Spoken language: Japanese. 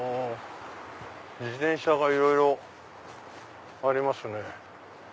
自転車がいろいろありますね。